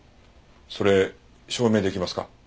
それ証明できますか？